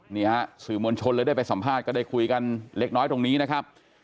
นี่ฮะสื่อมวลชนเลยได้ไปสัมภาษณ์ก็ได้คุยกันเล็กน้อยตรงนี้นะครับ